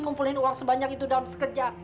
ngumpulin uang sebanyak itu dalam sekejap